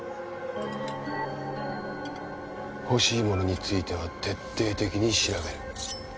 欲しいものについては徹底的に調べる。